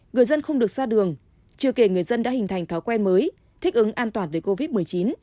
người dân không được ra đường chưa kể người dân đã hình thành thói quen mới thích ứng an toàn về covid một mươi chín